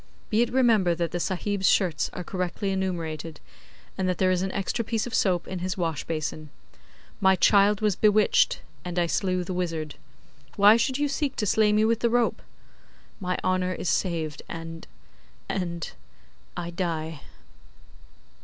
Be it remembered that the Sahib's shirts are correctly enumerated, and that there is an extra piece of soap in his washbasin. My child was bewitched, and I slew the wizard. Why should you seek to slay me with the rope? My honour is saved, and and I die.